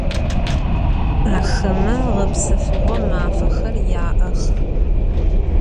Axeme ğepsefığo mafexer ya'ex.